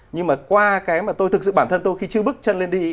nhưng mà qua cái mà tôi thực sự bản thân tôi khi chưa bước chân lên đi